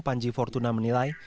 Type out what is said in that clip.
panji fortuna menilai